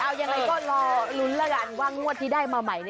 เอายังไงก็รอลุ้นแล้วกันว่างวดที่ได้มาใหม่